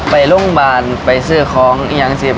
ไปโรงพยาบาลไปซื้อของยางเสพ